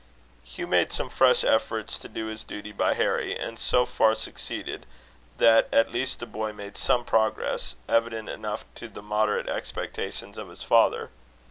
Hugh made some fresh efforts to do his duty by Harry, and so far succeeded, that at least the boy made some progress evident enough to the moderate expectations of his father.